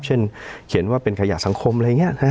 เช่นเขียนว่าเป็นขยะสังคมอะไรอย่างนี้